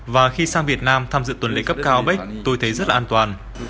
và khi sang việt nam tham dự tuần lễ cấp cao apec tôi thấy rất là an toàn